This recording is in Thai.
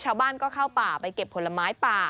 ชาวบ้านก็เข้าป่าไปเก็บผลไม้ป่า